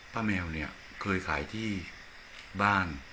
ป้าแมวเคยขายที่บ้าน